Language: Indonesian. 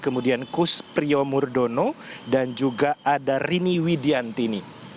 kemudian kus priyomurdono dan juga ada rini widiantini